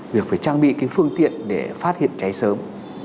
việc phải trang bị cái phương tiện để phát hiện cháy sớm